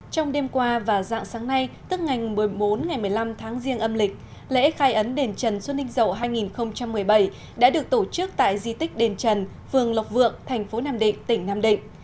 trong đêm qua và dạng sáng nay tức ngày một mươi bốn ngày một mươi năm tháng riêng âm lịch lễ khai ấn đền trần xuân ninh dậu hai nghìn một mươi bảy đã được tổ chức tại di tích đền trần phường lộc vượng thành phố nam định tỉnh nam định